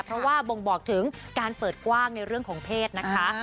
เพราะว่าบ่งบอกถึงการเปิดกว้างในเรื่องของเพศนะคะ